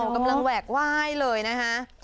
กำลังแหวกไหว้เลยนะคะ